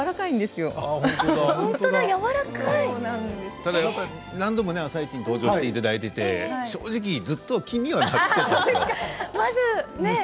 ただやっぱり何度も「あさイチ」に登場していただいてて正直ずっと気にはなってました。